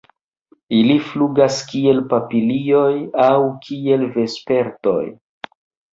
Ili flugas kiel papilioj aŭ kiel vespertoj.